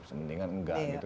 sepentingnya nggak gitu